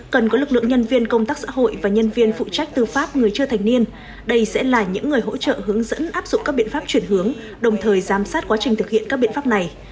cần có lực lượng nhân viên công tác xã hội và nhân viên phụ trách tư pháp người chưa thành niên đây sẽ là những người hỗ trợ hướng dẫn áp dụng các biện pháp chuyển hướng đồng thời giám sát quá trình thực hiện các biện pháp này